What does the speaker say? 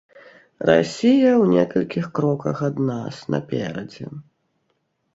Расія ў некалькіх кроках ад нас, наперадзе.